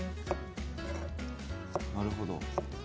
なるほど。